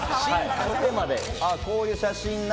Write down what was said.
こういう写真な。